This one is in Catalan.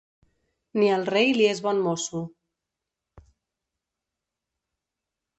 Ni el rei li és bon mosso.